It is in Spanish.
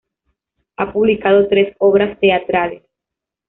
Ha publicado tres obras teatrales.